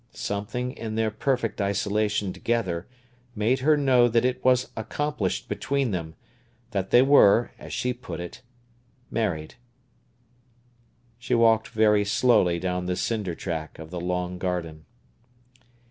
Something in their perfect isolation together made her know that it was accomplished between them, that they were, as she put it, married. She walked very slowly down the cinder track of the long garden.